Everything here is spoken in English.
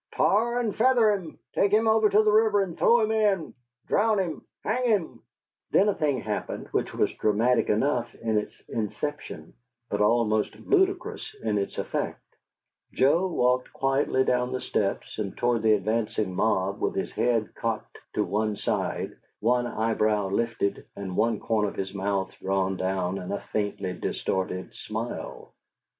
"Tar and feather him!" "Take him over to the river and throw him in!" "Drown him!" "Hang him!" Then a thing happened which was dramatic enough in its inception, but almost ludicrous in its effect. Joe walked quietly down the steps and toward the advancing mob with his head cocked to one side, one eyebrow lifted, and one corner of his mouth drawn down in a faintly distorted smile.